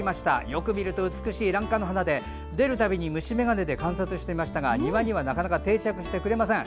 よく見ると美しいラン科の花で出るたびに虫眼鏡で観察してましたが庭にはなかなか定着してくれません。